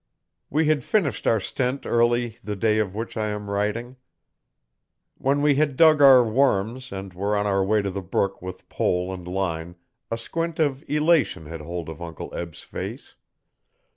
We had finished our stent early the day of which I am writing. When we had dug our worms and were on our way to the brook with pole and line a squint of elation had hold of Uncle Eb's face.